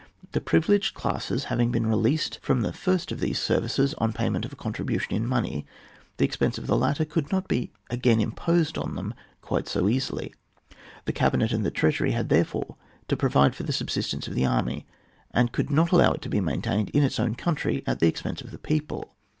The privileged classes having been released from the first of these ser vices on payment of a contribution in money, the expense of the latter could not be again imposed on them quite so easily. The cabinet and the treasury had therefore to provide for the subsistence of the army, and could not allow it to be maintained in its own country at the ex pense of the people.